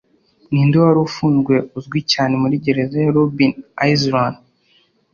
Ninde wari ufunzwe uzwi cyane muri gereza ya Robbin Island?